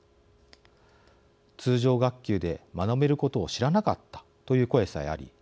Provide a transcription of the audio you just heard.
通常学級で学べることを知らなかったという声さえあり